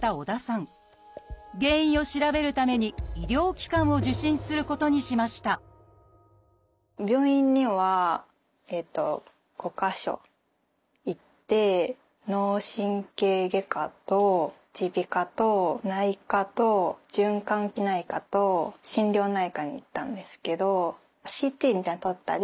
原因を調べるために医療機関を受診することにしました脳神経外科と耳鼻科と内科と循環器内科と心療内科に行ったんですけど。